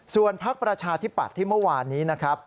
ส่วนพักประชาธิปัตย์ที่เมื่อวานนี้นะครับ